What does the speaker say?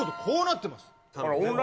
こうなってます